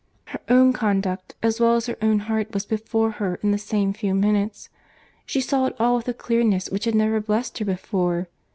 Her own conduct, as well as her own heart, was before her in the same few minutes. She saw it all with a clearness which had never blessed her before.